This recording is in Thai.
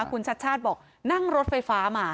คุณชัดชาติบอกนั่งรถไฟฟ้ามา